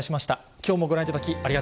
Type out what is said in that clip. きょうもご覧いただき、ありがと